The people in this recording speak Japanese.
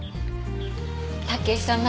武井様